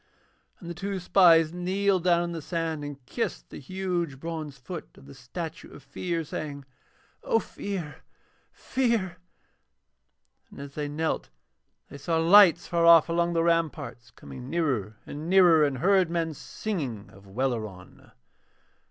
And the two spies kneeled down in the sand and kissed the huge bronze foot of the statue of Fear, saying: 'O Fear, Fear.' And as they knelt they saw lights far off along the ramparts coming nearer and nearer, and heard men singing of Welleran.